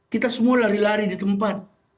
kita semua lari lari di tempat